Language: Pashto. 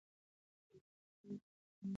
د ملل متحد انګړ ته پناه ویوړه،